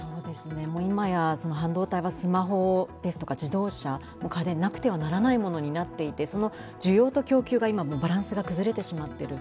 今や半導体はスマホ、自動車、家電、なくてはならないものになっていて、需要と供給が今、バランスが崩れてしまっている。